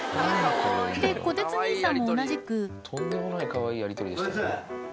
でこてつ兄さんも同じくとんでもないかわいいやりとりでした。